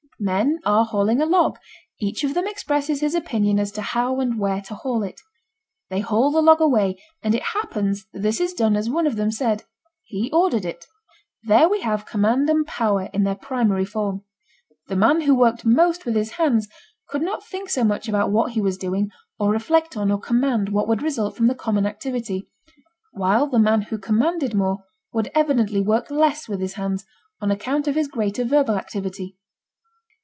Men are hauling a log. Each of them expresses his opinion as to how and where to haul it. They haul the log away, and it happens that this is done as one of them said. He ordered it. There we have command and power in their primary form. The man who worked most with his hands could not think so much about what he was doing, or reflect on or command what would result from the common activity; while the man who commanded more would evidently work less with his hands on account of his greater verbal activity.